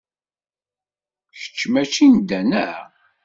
Kečč mačči n da, naɣ?